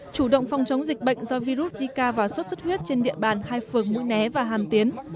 chủ động phòng chống dịch bệnh do virus zika và xuất xuất huyết trên địa bàn hai phường mũi né và hàm tiến